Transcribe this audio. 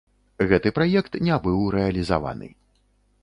Гэты праект не быў рэалізаваны.